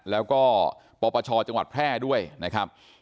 แล้วก็ปปชจังหวัดแพร่ด้วยนะครับ